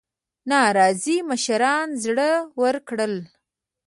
ناراضي مشران زړه ورکړل.